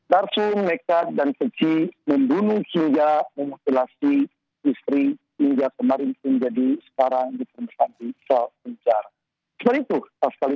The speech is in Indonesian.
tarsum mekat dan kecil membunuh hingga memutilasi istri hingga kemarin pun jadi sekarang dipermesati sepencar